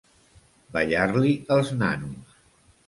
Ballar-li els nanos.